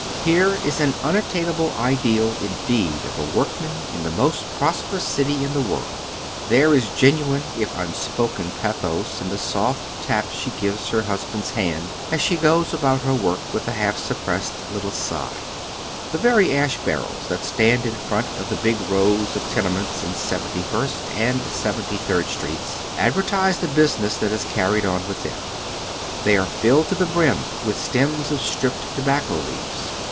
Here is an imattainable ideal, indeed, oE a workman in the most prosperons city in the world ! There is genuine, if nnspoken, pathos in the soft tap she gives her husband's hand as she goes about her work with a half suppressed little sigh. The very ash baiTels tiiat stand in front of the big rows of tenements in Seventy first and Seventy third Streets advertise the business that is carried on within. They are filled to the brim with the stems of stripped tobacco leaves.